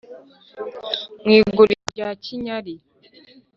mu iguriro rya kinyari